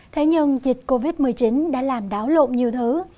thế nhưng dịch covid một mươi chín đã làm đảo lộn nhiều thứ